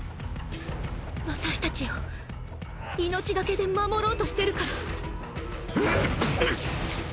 私たちを命懸けで守ろうとしてるから。